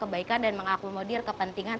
kebaikan dan mengakomodir kepentingan